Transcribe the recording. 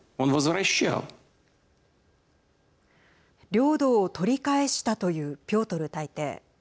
領土を取り返したというピョートル大帝。